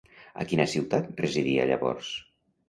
A quina ciutat residia llavors?